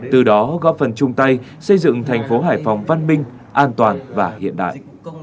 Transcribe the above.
từ đó góp phần chung tay xây dựng thành phố hải phòng văn minh an toàn và hiện đại